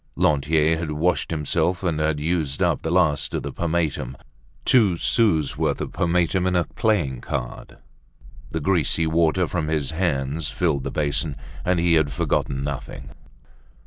Lantier had washed himself and had used up the last of the pomatum—two sous' worth of pomatum in a playing card; the greasy water from his hands filled the basin. And he had forgotten nothing.